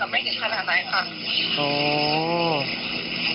หนุ่มอาจจะร้องไห้ไปบ้างค่ะเพราะว่าหนุ่มก็ร้องไห้ง่ายใช่ไหมค่ะ